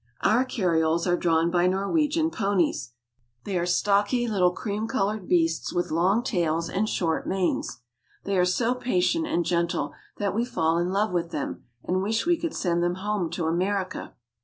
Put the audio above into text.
„... D Uur carrioles are drawn Carriole and Pony. by Norwegian ponies. They are stocky little cream colored beasts with Jong tails and short manes. They are so patient and gentle that we fall in love with them, and wish we could send them home to America.